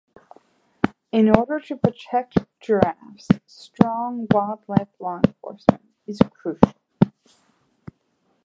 In order to protect giraffes, strong wildlife law enforcement is crucial.